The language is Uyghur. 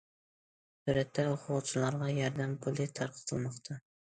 سۈرەتتە: ئوقۇغۇچىلارغا ياردەم پۇلى تارقىتىلماقتا.